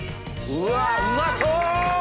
うわうまそう！